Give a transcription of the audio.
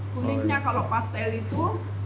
kulitnya kalau pastel itu